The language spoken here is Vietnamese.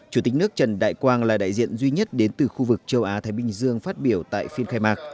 chủ tịch nước trần đại quang là đại diện duy nhất đến từ khu vực châu á thái bình dương phát biểu tại phiên khai mạc